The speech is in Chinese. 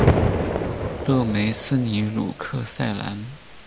勒梅斯尼鲁克塞兰。